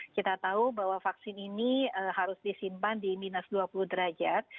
kita tahu bahwa vaksin ini harus disimpan di minus dua puluh derajat